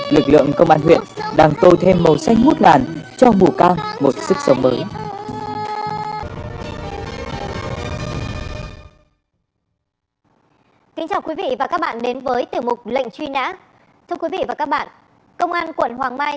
lực lượng công an huyện đang tô thêm màu xanh mút làn cho bù cang một sức sống mới